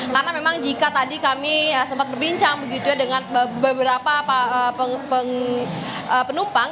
karena memang jika tadi kami sempat berbincang begitu dengan beberapa penumpang